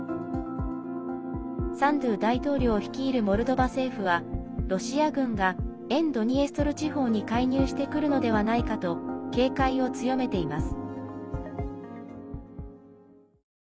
サンドゥ大統領率いるモルドバ政府はロシア軍が沿ドニエストル地方に介入してくるのではないかと警戒を強めています。